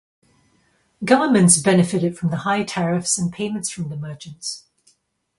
Governments benefited from the high tariffs and payments from the merchants.